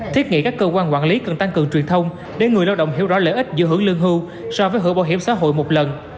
thiết nghĩ các cơ quan quản lý cần tăng cường truyền thông để người lao động hiểu rõ lợi ích giữa hưởng lương hưu so với hưởng bảo hiểm xã hội một lần